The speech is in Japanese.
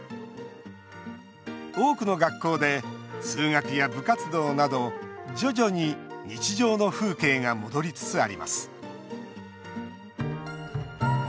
多くの学校で通学や部活動など徐々に日常の風景が戻りつつあります。